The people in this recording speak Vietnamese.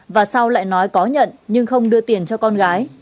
và sau lại nói có nhận nhưng không đưa tiền cho con gái